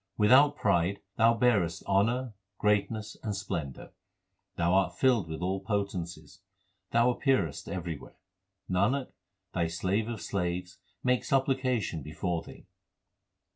Without pride thou bearest honour, greatness, and splen dour. Thou art filled with all potencies ; Thou appearest every where. Nanak, Thy slave of slaves maketh supplication before Thee.